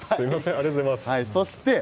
ありがとうございます。